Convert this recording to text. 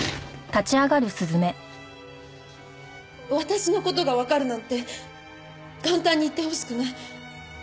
私の事がわかるなんて簡単に言ってほしくない。